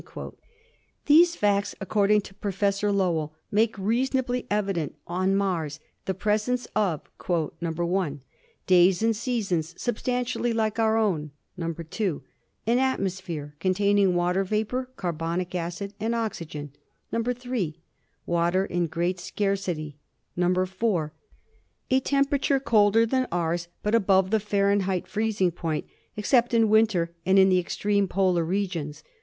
These facts, according to Professor Lowell, make rea sonably evident on Mars the presence of — "(1) Days and seasons substantially like our own. "(2) An atmosphere containing water vapor, carbonic acid and oxygen. "(3) Water in great scarcity. "(4) A temperature colder than ours, but above the Fahrenheit freezing point, except in winter and in the ex treme polar regions.